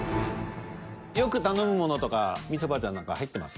よく頼むものとかみちょぱちゃん何か入ってます？